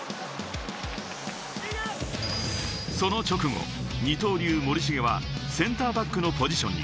その直後、二刀流・森重はセンターバックのポジションに。